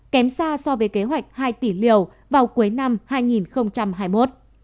kém xa so với kế hoạch hai tỷ liều vào cuối năm hai nghìn hai mươi một